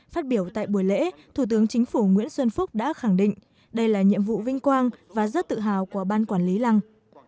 phát biểu tại buổi lễ thủ tướng chính phủ nguyễn xuân phúc đã khẳng định đây là nhiệm vụ vinh quang và rất tự hào của ban quản lý lăng